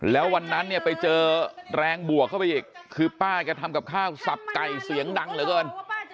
แล้ววันนั้นเนี่ยไปเจอแรงบวกเข้าไปอีกคือป้าแกทำกับข้าวสับไก่เสียงดังเหลือเกิน